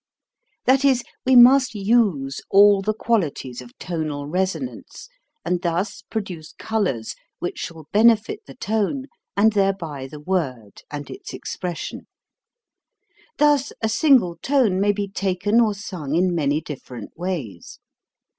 That is, we must use all the qualities of tonal resonance, and thus produce colors which shall benefit the tone and thereby the word and its expression. Thus a single tone may be taken or sung in many different ways.